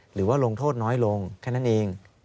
หรือว่าลงโทษน้อยลงแค่นั้นเอง